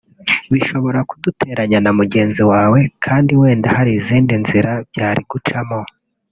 bishobora kuguteranya na mugenzi wawe kandi wenda hari izindi nzira byari gucamo